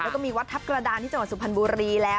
แล้วก็มีวัดทัพกระดานที่จังหวัดสุพรรณบุรีแล้ว